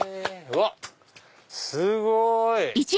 うわっすごい！